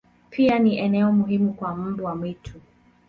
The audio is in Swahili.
Pia ni eneo muhimu kwa mbwa mwitu.